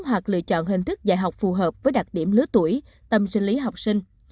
hoặc lựa chọn hình thức dạy học phù hợp với đặc điểm lứa tuổi tâm sinh lý học sinh